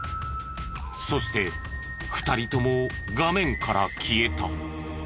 そして２人とも画面から消えた。